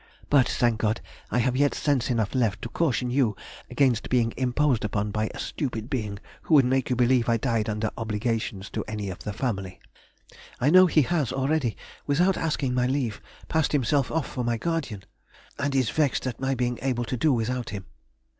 But, thank God, I have yet sense enough left to caution you against being imposed upon by a stupid being who would make you believe I died under obligations to any of the family. I know he has already, without asking my leave, passed himself off for my guardian, and is vexed at my being able to do without him.